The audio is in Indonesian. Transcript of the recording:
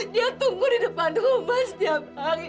dia tunggu di depan rumah setiap hari